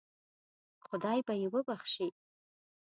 خدای به یې وبخشي.